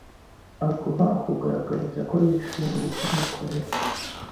aguha akugaragariza ko yishimira ibyo umukorera.